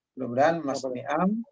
mudah mudahan mas tommy am